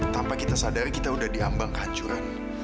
tadi kan kamu bilang itu masalah kedua